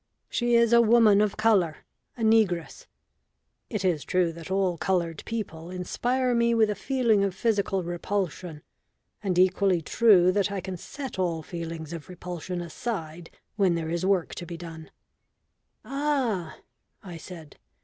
"She is a woman of colour a negress." It is true that all coloured people inspire me with a feeling of physical repulsion, and equally true that I can set all feelings of repulsion aside when there is work to be done. "Ah!" I said.